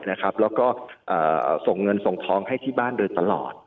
แล้วก็ส่งเงินส่งทองให้ที่บ้านโดยตลอด